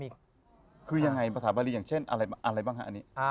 คือยังไงมหาบรีอย่างเช่นอะไรบ้างฮะอันนี้